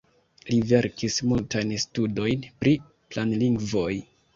Li verkis multajn studojn pri planlingvoj.